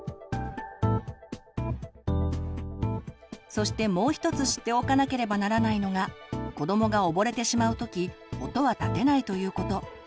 そしてもう一つ知っておかなければならないのが子どもが溺れてしまう時音は立てないということ。